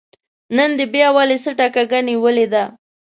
نن دې بيا ولې څټه کږه نيولې ده